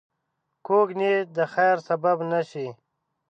کوږ نیت د خیر سبب نه شي